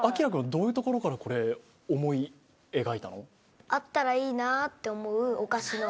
どういうところからこれ思い描いたの？